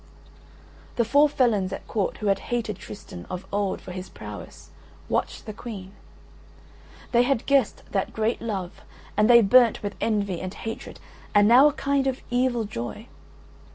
The four felons at court who had hated Tristan of old for his prowess, watched the Queen; they had guessed that great love, and they burnt with envy and hatred and now a kind of evil joy.